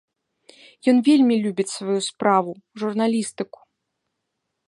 Ён вельмі любіць сваю справу, журналістыку.